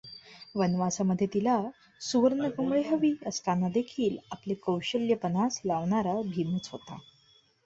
वनवासामध्ये तिला सुवर्णकमळे हवी असतानादेखील आपले कौशल्य पणास लावणारा भीमच होता.